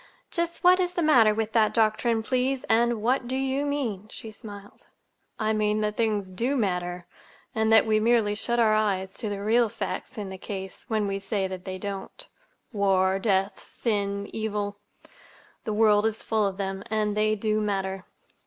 "Just what is the matter with that doctrine, please, and what do you mean?" she smiled. "I mean that things do matter, and that we merely shut our eyes to the real facts in the case when we say that they don't. War, death, sin, evil—the world is full of them, and they do matter."